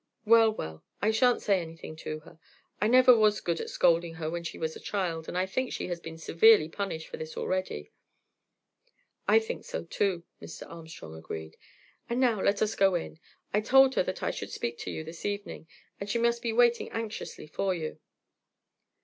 Well, well, I shan't say anything to her. I never was good at scolding her when she was a child, and I think she has been severely punished for this already." "I think so too," Mr. Armstrong agreed; "and now let us go in. I told her that I should speak to you this evening, and she must be waiting anxiously for you."